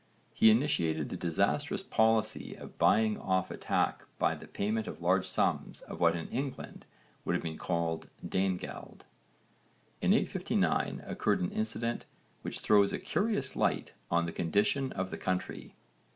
He initiated the disastrous policy of buying off attack by the payment of large sums of what in England would have been called Danegeld. In 859 occurred an incident which throws a curious light on the condition of the country.